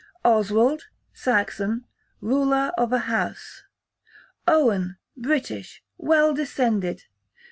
Oswald, Saxon, ruler of a house. Owen, British, well descended.